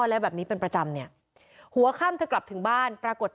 แล้วแบบนี้เป็นประจำเนี่ยหัวข้ามเธอกลับถึงบ้านปรากฏ